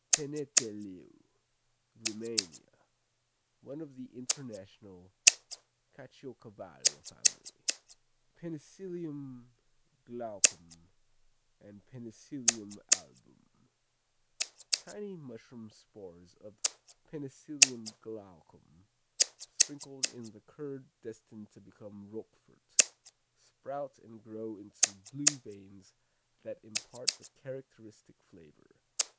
Peneteleu Rumania One of the international Caciocavallo family. Penicillium Glaucum and Penicillium Album Tiny mushroom spores of Penicillium Glaucum sprinkled in the curd destined to become Roquefort, sprout and grow into "blue" veins that impart the characteristic flavor.